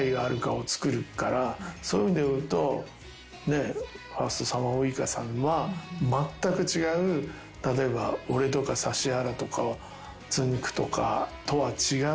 そういう意味でいうとファーストサマーウイカさんはまったく違う例えば俺とか指原とかつんく♂とかとは。